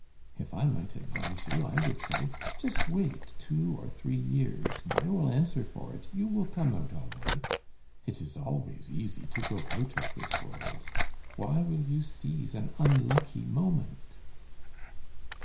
If I might advise you, I would say, just wait two or three years, and I will answer for it, you will come out all right. It is always easy to go out of this world. Why will you seize an unlucky moment?"